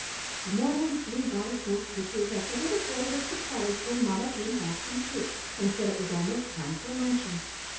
The morning flew by so quickly that the little boy was surprised when mamma came back from church, and said it was almost time for luncheon.